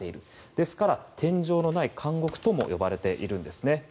ですから、天井のない監獄とも呼ばれているんですね。